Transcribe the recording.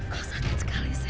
kau sakit sekali say